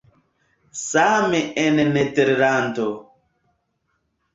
Same en Nederlando.